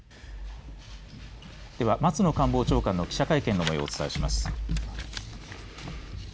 では、松野官房長官の記者会見の模様をお伝えします。